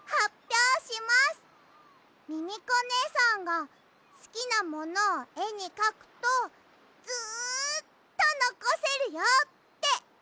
ミミコねえさんがすきなものをえにかくとずっとのこせるよっておしえてくれたの。